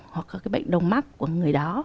hoặc là cái bệnh đầu mắt của người đó